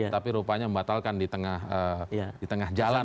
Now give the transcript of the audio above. tapi rupanya membatalkan di tengah jalan